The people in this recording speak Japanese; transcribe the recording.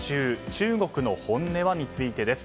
中国の本音は？についてです。